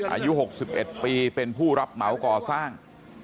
อายุ๖๑ปีเป็นผู้รับเหมาก่อสร้าง